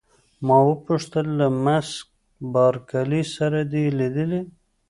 ما وپوښتل: له مس بارکلي سره دي لیدلي؟